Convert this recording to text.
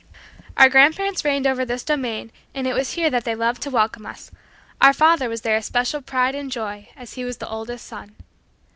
Our grandparents reigned over this domain and it was here that they loved to welcome us. Our father was their especial pride and joy as he was the oldest son.